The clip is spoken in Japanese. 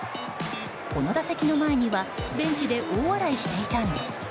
この打席の前にはベンチで大笑いしていたんです。